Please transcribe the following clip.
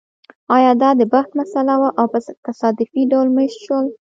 ایا دا د بخت مسئله وه او په تصادفي ډول مېشت شول